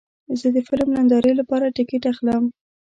زه د فلم نندارې لپاره ټکټ اخلم.